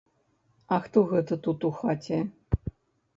А хто гэта тут у хаце?